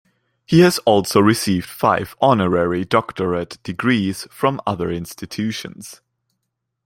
He has also received five honorary Doctorate degrees from other institutions.